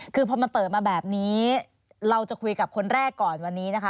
คือพอมันเปิดมาแบบนี้เราจะคุยกับคนแรกก่อนวันนี้นะคะ